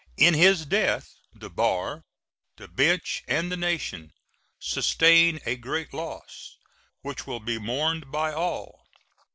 In his death the bar, the bench, and the nation sustain a great loss, which will be mourned by all.